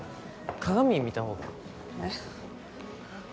鏡見たほうがえっ？